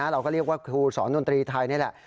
เราก็เรียกว่าครูสอนดนตรีไทยนี่แหละ